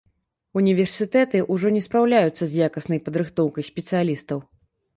Універсітэты ўжо не спраўляюцца з якаснай падрыхтоўкай спецыялістаў.